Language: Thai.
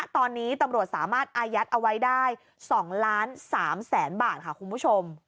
ตอนนี้ตำรวจสามารถอายัดเอาไว้ได้๒ล้าน๓แสนบาทค่ะคุณผู้ชม